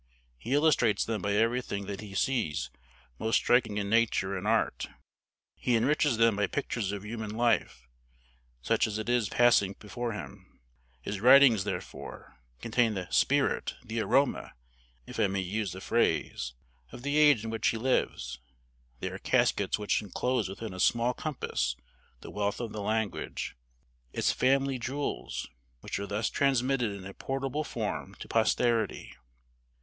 He illustrates them by everything that he sees most striking in nature and art. He enriches them by pictures of human life, such as it is passing before him. His writings, therefore, contain the spirit, the aroma, if I may use the phrase, of the age in which he lives. They are caskets which inclose within a small compass the wealth of the language its family jewels, which are thus transmitted in a portable form to posterity.